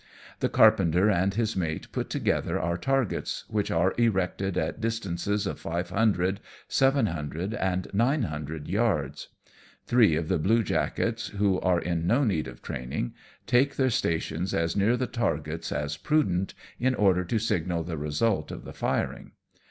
The carpenter and his mate put together our targets, which are erected at distances of five hundred, seven hundred, and nine hundred yards. Three of the bluejackets, who are in no need of training, take their DRILLING THE CREW. 9 stations as near the targets as prudent, in order to signal the result of the firing.